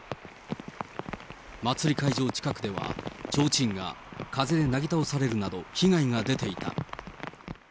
祭り会場近くでは、ちょうちんが風でなぎ倒されるなど、被害が出ていた。